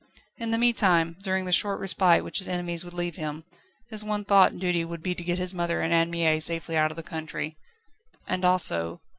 In the meanwhile, during the short respite which his enemies would leave him, his one thought and duty would be to get his mother and Anne Mie safely out of the country. And also